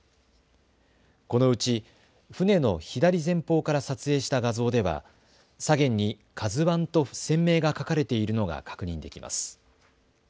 このうち船の左前方から撮影した画像では左舷にＫＡＺＵＩと船名が書かれているのが確認できます。